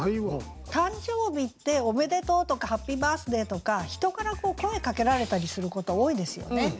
誕生日って「おめでとう」とか「ハッピーバースデー」とか人から声かけられたりすること多いですよね。